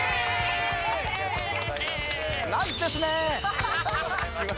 ナイスですね。